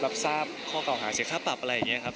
รับทราบข้อเก่าหาเสียค่าปรับอะไรอย่างนี้ครับ